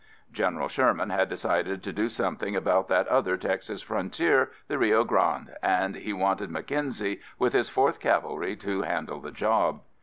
General Sherman had decided to do something about that other Texas frontier, the Rio Grande, and he wanted Mackenzie with his 4th Cavalry to handle the job.